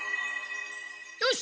よし！